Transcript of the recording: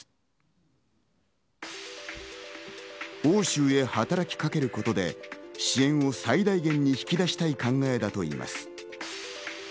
欧州へ働きかけることで支援を最大限に引き出したい考えだといいます。